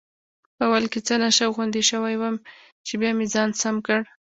په اول کې څه نشه غوندې شوی وم، چې بیا مې ځان سم کړ.